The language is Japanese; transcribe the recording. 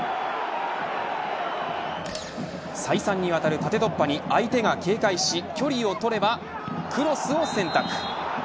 再三にわたる縦突破に相手が警戒し、距離を取ればクロスを選択。